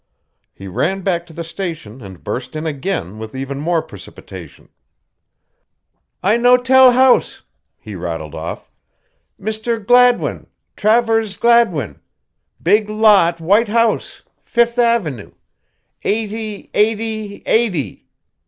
He ran back to the station and burst in again with even more precipitation. "I no tell house," he rattled off. "Mr. Gladwin Travers Gladwin. Big lot white house Fifth avenue eighty, eighty, eighty.